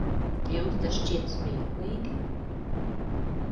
Jums tas šķiet smieklīgi?